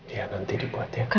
ya nanti dibuat ya